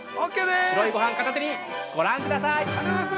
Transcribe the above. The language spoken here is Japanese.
白いごはん片手に、ご覧ください！